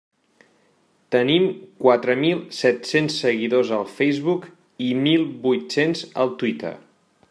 Tenim quatre mil set-cents seguidors al Facebook i mil vuit-cents al Twitter.